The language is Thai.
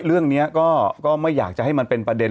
เรื่องนี้ก็ไม่อยากจะให้มันเป็นประเด็น